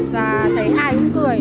và thấy ai cũng cười